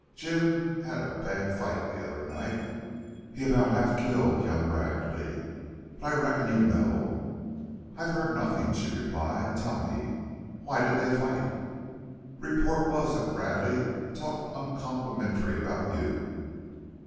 Jim had a bad fight the other night. He about half killed young Bradley. But I reckon you know." "I've heard nothing," she replied. "Tell me. Why did they fight?" "Report was that Bradley talked oncomplementary about you."